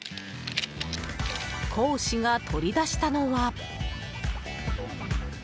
講師が取り出したのは。